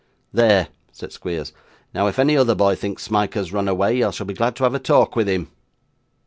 'There,' said Squeers. 'Now if any other boy thinks Smike has run away, I shall be glad to have a talk with him.